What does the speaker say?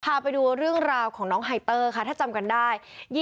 พาไปดูเรื่องราวของน้องไฮเตอร์ค่ะถ้าจำกันได้